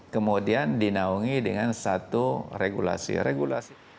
kemudian dinaungi dengan satu regulasi regulasi